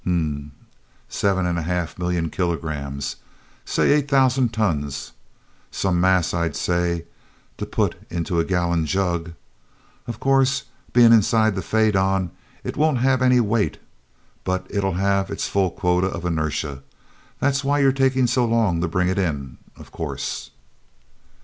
"Hm m m. Seven and a half million kilograms say eight thousand tons. Some mass, I'd say, to put into a gallon jug. Of course, being inside the faidon, it won't have any weight, but it'll have all its full quota of inertia. That's why you're taking so long to bring it in, of course."